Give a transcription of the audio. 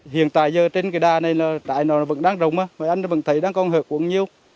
hiện tại giờ trên cái đa này là tại nó vẫn đang rụng á mà anh vẫn thấy đang còn hợp cũng nhiều